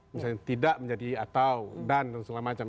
misalnya tidak menjadi atau dan segala macam